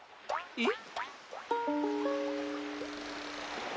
えっ？